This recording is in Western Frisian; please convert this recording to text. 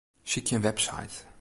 Sykje in website.